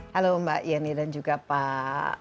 halo mbak yeni dan juga pak